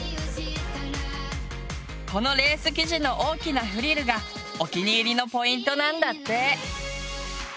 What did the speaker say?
このレース生地の大きなフリルがお気に入りのポイントなんだって。